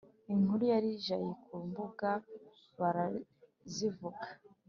inkuru yari jayi ku mbuga barazivuga